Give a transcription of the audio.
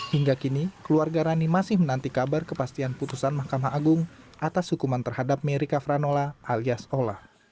hingga kini keluarga rani masih menanti kabar kepastian putusan mahkamah agung atas hukuman terhadap merica franola alias ola